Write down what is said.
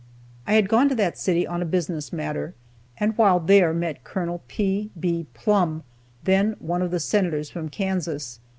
I had gone to that city on a business matter, and while there met Col. P. B. Plumb, then one of the senators from Kansas.